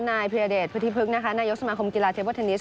นายพิอเดชพฤธิพฤกษ์นายกสมาคมกีฬาเทบอร์เทอร์นิส